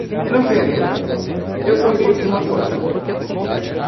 Em novembro, eu comi uma torta.